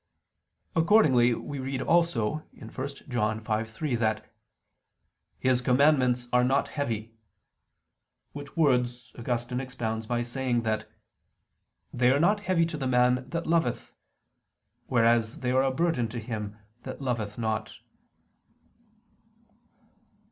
Accordingly we read also (1 John 5:3) that "His commandments are not heavy": which words Augustine expounds by saying that "they are not heavy to the man that loveth; whereas they are a burden to him that loveth not."